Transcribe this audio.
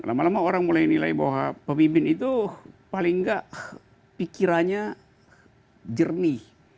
lama lama orang mulai nilai bahwa pemimpin itu paling nggak pikirannya jernih